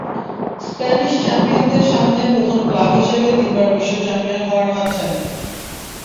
Spanish চ্যাম্পিয়নদের সামনে প্রথম ক্লাব হিসেবে তিনবার বিশ্ব চ্যাম্পিয়ন হওয়ার হাতছানি।